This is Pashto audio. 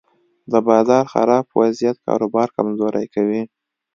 د بازار خراب وضعیت کاروبار کمزوری کوي.